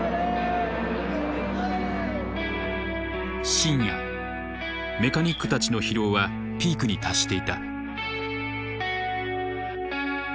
深夜メカニックたちの疲労はピークに達していた。